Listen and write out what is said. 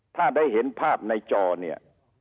ถ้าได้เห็นภาพในจอเนี่ย